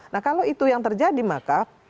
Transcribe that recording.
nah kalau itu yang terjadi maka